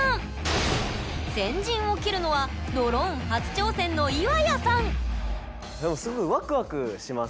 先陣を切るのはドローン初挑戦の岩谷さんでもすごいわくわくします。